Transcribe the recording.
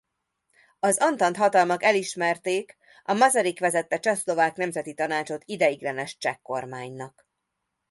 Az antant-hatalmak elismerték a Masaryk vezette Csehszlovák Nemzeti Tanácsot ideiglenes cseh kormánynak.